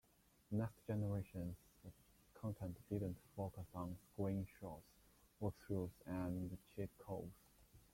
"Next Generation"'s content didn't focus on screenshots, walkthroughs, and cheat codes.